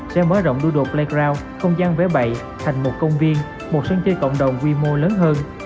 sẽ mở rộng đu đột playground không gian vẽ bậy thành một công viên một sân chơi cộng đồng quy mô lớn hơn